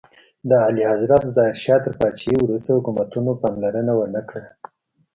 د اعلیحضرت ظاهر شاه تر پاچاهۍ وروسته حکومتونو پاملرنه ونکړه.